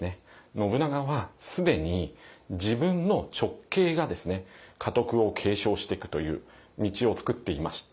信長は既に自分の直系が家督を継承してくという道を作っていまして。